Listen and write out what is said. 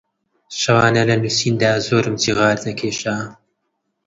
شەوانە لە نووسیندا زۆرم سیغار دەکێشا